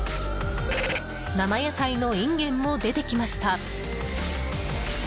生野菜のインゲンも出てきました。